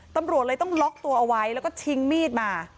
ตำรวจเลยต้องล็อกตัวเอาไว้แล้วก็ชิงมีดมา